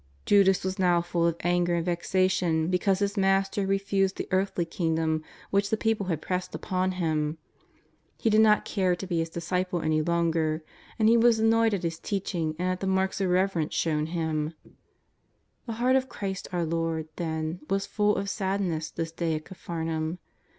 Judas was now full of anger and vexation because his Master had refused the earthly kingdom which the peo ple had pressed upon Him. He did not care to be His disciple any longer, and He was annoyed at His teach ing and at the marks of reverence shovm Him. The heart of Christ our Lord, then, was full of sad ness this day at Capharnaum.